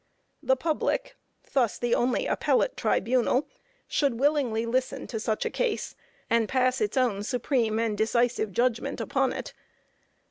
The public, thus the only appellate tribunal, should willingly listen to such a case, and pass its own supreme and decisive judgment upon it.